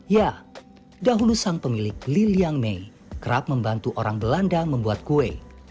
ya dahulu sang pemilik liliang may kerap membantu orang belanda membuat kue